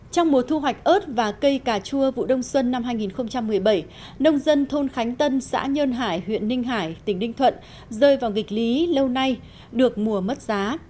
trong mùa thu hoạch ớt và cây cà chua vụ đông xuân năm hai nghìn một mươi bảy nông dân thôn khánh tân xã nhơn hải huyện ninh hải tỉnh ninh thuận rơi vào nghịch lý lâu nay được mùa mất giá